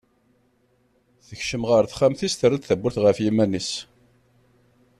Tekcem ɣer texxamt-is terra-d tawwurt ɣef yiman-is.